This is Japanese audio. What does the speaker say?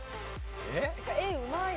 絵うまいな。